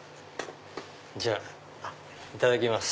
じゃあいただきます。